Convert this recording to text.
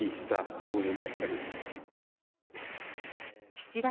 岸田